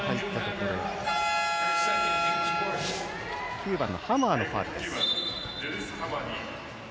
９番のハマーのファウル。